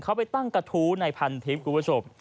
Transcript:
เขาไปตั้งกระทู้ในพันทิพย์คุณผู้ชม